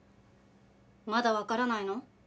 まだわからないの？